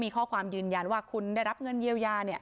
มีข้อความยืนยันว่าคุณได้รับเงินเยียวยา